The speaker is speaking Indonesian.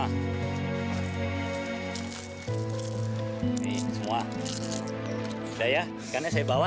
ini semua sudah ya karena saya bawa